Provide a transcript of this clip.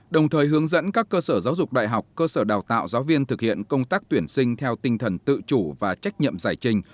đồng thời hướng dẫn các cơ sở giáo dục đại học cơ sở đào tạo giáo viên thực hiện công tác tuyển sinh theo tinh thần tự chủ và trách nhiệm giải trình